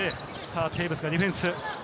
テーブスがディフェンス。